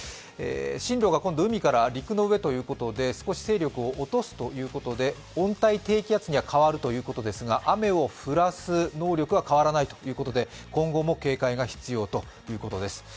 進路が海から陸の上ということで少し勢力を落とすということで、温帯低気圧に変わるということですが、雨を降らす能力は変わらないということで今後も警戒が必要ということです。